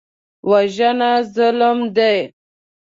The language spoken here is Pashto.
وژنه ظلم دی